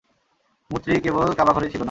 মূর্তি কেবল কাবা ঘরেই ছিল না।